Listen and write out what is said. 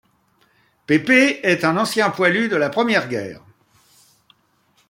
Pépé est un ancien poilu de la Première Guerre.